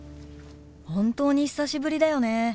本当に久しぶりだよね。